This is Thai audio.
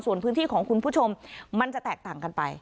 ส่วนพื้นที่ของคุณผู้ชมมันจะแตกต่างกันไป